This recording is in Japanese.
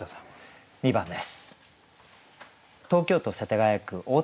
２番です。